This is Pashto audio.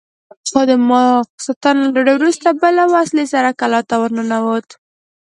خو د ماخستن له ډوډۍ وروسته به له وسلې سره کلا ته ورننوت.